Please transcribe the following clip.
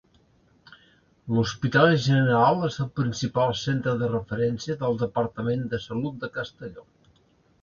L'Hospital General és el principal centre de referència del Departament de Salut de Castelló.